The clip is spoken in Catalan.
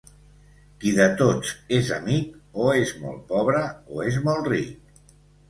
Qui de tots és amic, o és molt pobre o és molt ric.